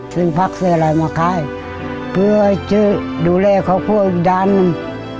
ซึ่งพักเสริมมาค่ายเพื่อให้ดูแลข้าวคั่วอีกด้านหนึ่ง